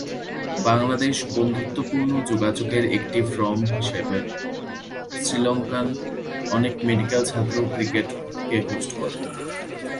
বাংলাদেশ বন্ধুত্বপূর্ণ যোগাযোগের একটি ফর্ম হিসাবে শ্রীলঙ্কান অনেক মেডিকেল ছাত্র এবং ক্রিকেটকে হোস্ট করে।